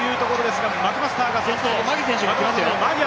マクマスターが先頭。